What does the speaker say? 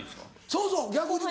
そうそう逆に。